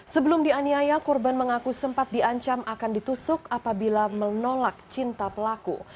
sebelum dianiaya korban mengaku sempat diancam akan ditusuk apabila menolak cinta pelaku